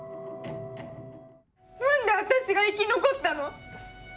なんで私が生き残ったの。